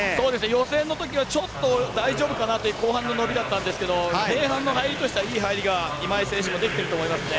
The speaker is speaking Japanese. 予選のときはちょっと大丈夫かという後半の伸びだったんですが前半の入りとしてはいい入り、今井選手できています。